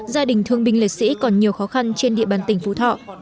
gia đình thương binh liệt sĩ còn nhiều khó khăn trên địa bàn tỉnh phú thọ